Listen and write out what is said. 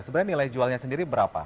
sebenarnya nilai jualnya sendiri berapa